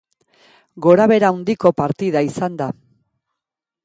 Gora-behera handiko partida izan da.